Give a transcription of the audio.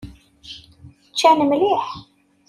Ččan mliḥ.